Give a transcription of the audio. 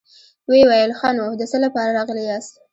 ويې ويل: ښه نو، د څه له پاره راغلي ياست؟